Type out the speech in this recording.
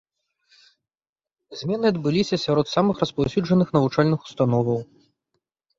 Змены адбыліся сярод самых распаўсюджаных навучальных установаў.